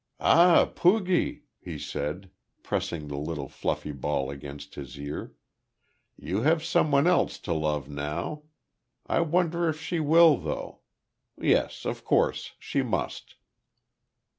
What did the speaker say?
"Ah, poogie?" he said, pressing the little fluffy ball against his ear. "You'll have some one else to love now. I wonder if she will though. Yes, of course she must."